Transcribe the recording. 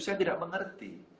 saya tidak mengerti